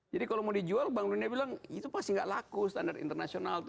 jadi kalau mau dijual bank dunia bilang itu pasti tidak laku standar internasional